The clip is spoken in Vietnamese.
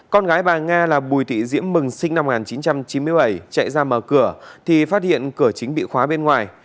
con gái bà nga là bùi thị diễm mừng sinh năm một nghìn chín trăm chín mươi bảy chạy ra mở cửa thì phát hiện cửa chính bị khóa bên ngoài